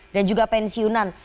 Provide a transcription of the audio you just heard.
dan juga pensiunan